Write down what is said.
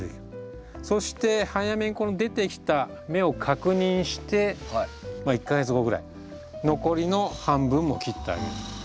そして早めに出てきた芽を確認してまあ１か月後ぐらい残りの半分も切ってあげる。